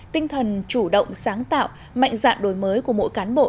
tinh thần chủ động sáng tạo mạnh dạng đổi mới của mỗi cán bộ